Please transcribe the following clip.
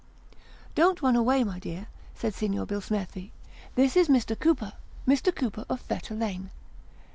" Don't run away, my dear," said Signor Billsmethi, "this is Mr. Cooper Mr. Cooper, of Fetter Lane.